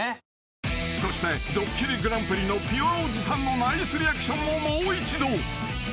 ［そして『ドッキリＧＰ』のピュアおじさんのナイスリアクションももう一度］